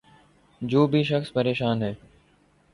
جو بھی شخص پریشان ہے